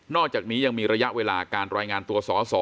อกจากนี้ยังมีระยะเวลาการรายงานตัวสอสอ